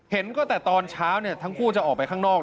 เห็นก็แต่ตอนเช้าทั้งคู่จะออกไปข้างนอก